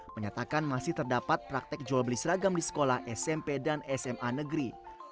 dua ribu dua puluh dua menyatakan masih terdapat praktek jual beli seragam di sekolah smp dan sma negeri